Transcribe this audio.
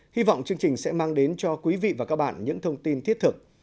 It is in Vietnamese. hy vọng chương trình sẽ mang đến cho quý vị và các bạn những thông tin thiết thực